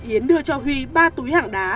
yến đưa cho huy ba túi hàng đá